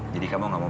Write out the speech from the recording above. jadi kamu gak mau